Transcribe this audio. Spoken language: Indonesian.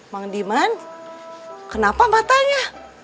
mandiman kenapa matanya